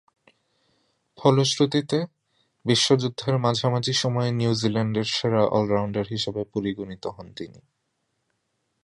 ফলশ্রুতিতে, বিশ্বযুদ্ধের মাঝামাঝি সময়ে নিউজিল্যান্ডের সেরা অল-রাউন্ডার হিসেবে পরিগণিত হন তিনি।